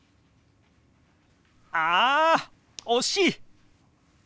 あ惜しい！